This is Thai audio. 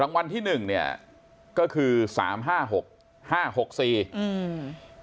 รางวัลที่หนึ่งเนี้ยก็คือสามห้าหกห้าหกสี่อืม